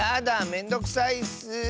めんどくさいッス。